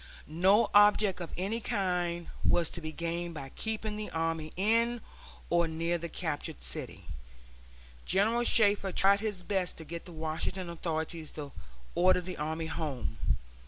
No object of any kind was to be gained by keeping the army in or near the captured city. General Shafter tried his best to get the Washington authorities to order the army home.